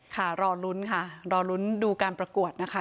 ค่ะรอลุ้นค่ะรอลุ้นดูการประกวดนะคะ